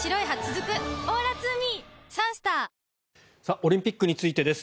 オリンピックについてです。